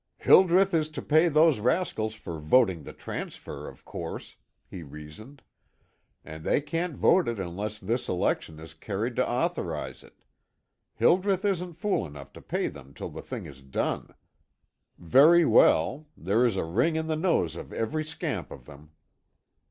"Hildreth is to pay those rascals for voting the transfer, of course," he reasoned; "and they can't vote it unless this election is carried to authorize it. Hildreth isn't fool enough to pay them till the thing is done. Very well. There is a ring in the nose of every scamp of them."